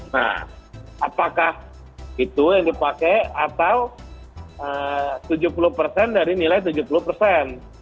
nah apakah itu yang dipakai atau tujuh puluh persen dari nilai tujuh puluh persen